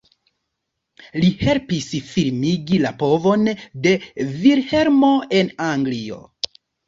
Li helpis firmigi la povon de Vilhelmo en Anglio.